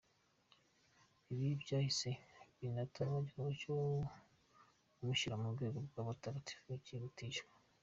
Ibi byahise binatuma igikorwa cyo kumushyira mu rwego rw’abatagatifu kihutishwa.